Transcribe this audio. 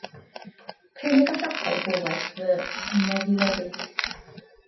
Prin y gallasai bwled fy ngoddiweddyd.